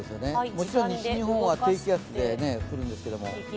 もちろん西日本は低気圧で来るんですけども。